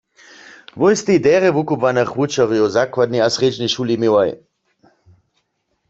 Wój stej derje wukubłanych wučerjow w zakładnej a srjedźenej šuli měłoj.